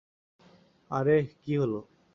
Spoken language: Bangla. আরেহ কি হল!